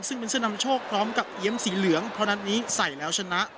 ซึ่งเป็นเสื้อนำโชคพร้อมกับเอี๊ยมสีเหลืองเพราะนัดนี้ใส่แล้วชนะ